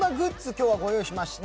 今日はご用意いたしました。